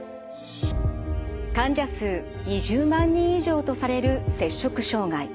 患者数２０万人以上とされる摂食障害。